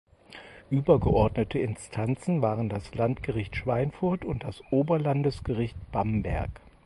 Übergeordnete Instanzen waren das Landgericht Schweinfurt und das Oberlandesgericht Bamberg.